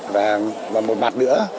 và một mặt nữa